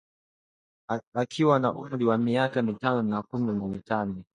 akiwa na umri wa miaka mitano na kumi na mitano